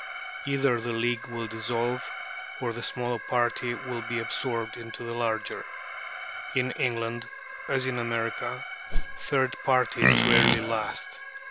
Either the league will dissolve, or the smaller party will be absorbed into the larger. In England, as in America, third parties rarely last.